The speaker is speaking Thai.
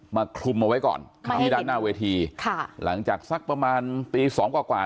คลุมเอาไว้ก่อนที่ด้านหน้าเวทีค่ะหลังจากสักประมาณตีสองกว่ากว่า